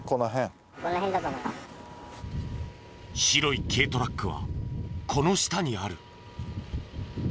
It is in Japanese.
白い軽トラックはこの下にある。